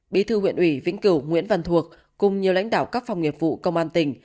bí thư huyện ủy vĩnh cửu nguyễn văn thuộc cùng nhiều lãnh đạo các phòng nghiệp vụ công an tỉnh